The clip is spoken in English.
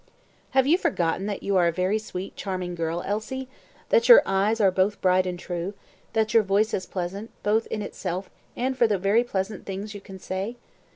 "Have you forgotten that you are a very sweet, charming girl, Elsie that your eyes are both bright and true that your voice is pleasant, both in itself, and for the very pleasant things you can say?